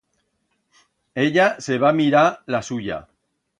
Ella se va mirar la suya.